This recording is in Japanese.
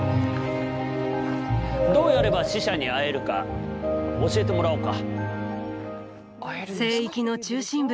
どうやれば死者に会えるか教えてもらおうか。